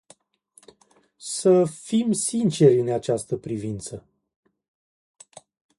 Să fim sinceri în această privință.